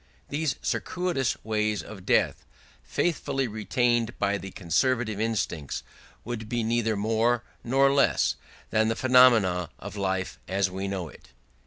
These circuitous ways to death, faithfully retained by the conservative instincts, would be neither more nor less than the phenomena of life as we know it."